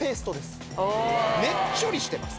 ねっちょりしてます。